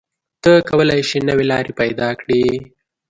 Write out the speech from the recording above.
ته کولی شې نوې لارې پیدا کړې.